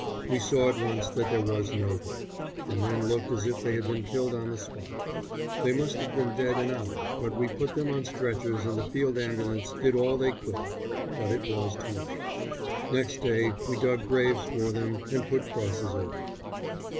We saw at once that there was no hope the men looked as if they had been killed on the spot: they must have been dead an hour but we put them on stretchers and the field ambulance men did all they could. But it was too late. Next day we dug graves for them and put crosses over.